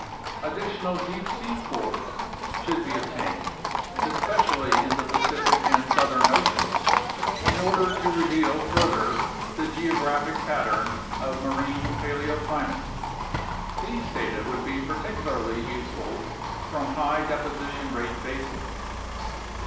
Additional deep sea cores should be obtained, especially in the Pacific and Southern Oceans, in order to reveal further the geographic pattern of marine paleoclimates. These data would be particularly useful from high deposition rate basins.